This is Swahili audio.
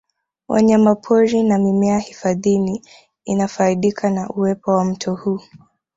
Wanyamapori na mimea hifadhini inafaidika na uwepo wa mto huu